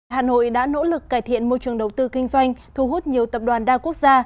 hà nội đã nỗ lực cải thiện môi trường đầu tư kinh doanh thu hút nhiều tập đoàn đa quốc gia